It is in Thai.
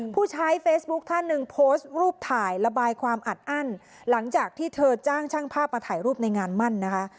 ผู้ใช้เฟซบุ๊คท่านหนึ่งโพสต์รูปถ่ายระบายความอัดอั้นหลังจากที่เธอจ้างช่างภาพมาถ่ายรูปในงานมั่นนะคะ